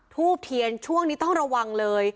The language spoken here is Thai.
ทูบเทียนช่วงนี้ต้องระวังเลย